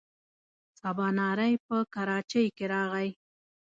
سباناری په کراچۍ کې راغی.